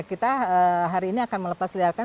kita hari ini akan melepas liarkan